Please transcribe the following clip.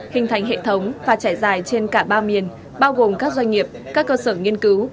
hình thành hệ thống và trải dài trên cả ba miền bao gồm các doanh nghiệp các cơ sở nghiên cứu